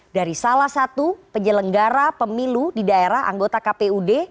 dari salah satu penyelenggara pemilu di daerah anggota kpud